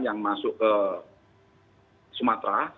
yang masuk ke sumatera